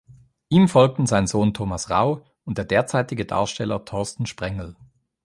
Ihm folgten sein Sohn Thomas Rau und der derzeitige Darsteller Torsten Sprengel.